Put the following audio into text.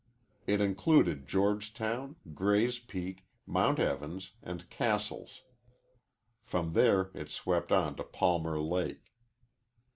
It included Georgetown, Gray's Peak, Mount Evans, and Cassell's. From there it swept on to Palmer Lake.